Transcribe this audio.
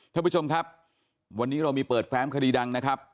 ท่านผู้ชมครับวันนี้เรามีเปิดแฟ้มคดีดังนะครับ